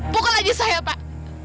pukul saja saya pak